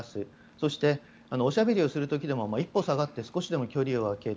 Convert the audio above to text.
そしておしゃべりする時でも一歩下がって少しでも距離を空ける。